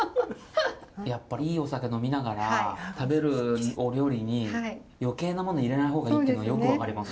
やっぱいいお酒を飲みながら食べるお料理に余計なもの入れない方がいいっていうのよく分かります。